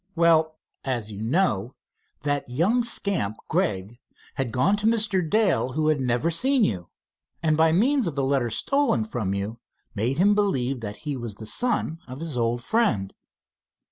"Well, as you know, that young scamp, Gregg, had gone to Mr. Dale, who had never seen you, and by means of the letters stolen from you made him believe that he was the son of his old friend.